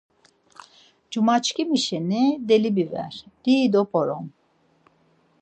Cuma çkimi şeni deli biver, dido p̌orom.